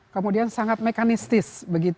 kemudian sangat mekanistis